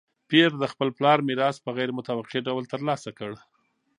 پییر د خپل پلار میراث په غیر متوقع ډول ترلاسه کړ.